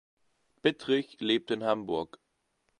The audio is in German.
Bittrich lebt in Hamburg.